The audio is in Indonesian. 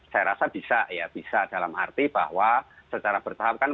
saya rasa bisa ya bisa dalam arti bahwa secara bertahap kan